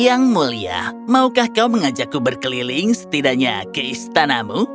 yang mulia maukah kau mengajakku berkeliling setidaknya ke istanamu